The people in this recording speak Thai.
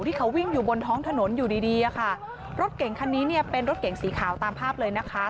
ที่เขาวิ่งอยู่บนท้องถนนอยู่ดีดีอะค่ะรถเก่งคันนี้เนี่ยเป็นรถเก่งสีขาวตามภาพเลยนะคะ